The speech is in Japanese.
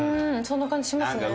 そんな感じしますね。